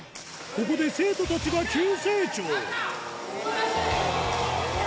ここで生徒たちが急成長素晴らしい！